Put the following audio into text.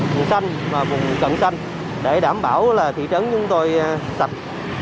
vùng xanh và vùng cận xanh để đảm bảo là thị trấn chúng tôi sạch